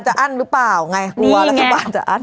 อั้นหรือเปล่าไงกลัวรัฐบาลจะอั้น